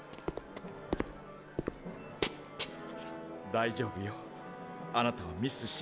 大丈夫よあなたはミスしない。